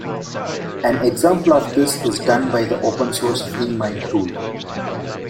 An example of this is done by the Open Source FreeMind tool.